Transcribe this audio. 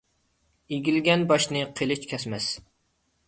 ئېگىلگەن باشنى قېلىچ كەسمەس.